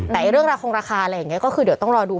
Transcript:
แต่เรื่องราคงราคาอะไรอย่างนี้ก็คือเดี๋ยวต้องรอดู